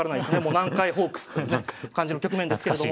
南海ホークスっていうね感じの局面ですけれども。